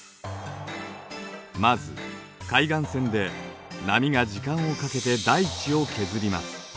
まず海岸線で波が時間をかけて大地を削ります。